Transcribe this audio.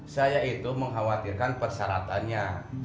saya itu mengkhawatirkan persyaratannya